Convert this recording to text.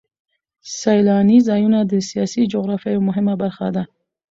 سیلاني ځایونه د سیاسي جغرافیه یوه مهمه برخه ده.